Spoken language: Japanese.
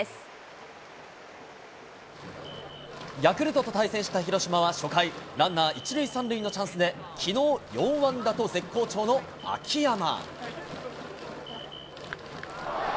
ヤクルトと対戦した広島は初回、ランナー１塁３塁のチャンスで、きのう４安打と絶好調の秋山。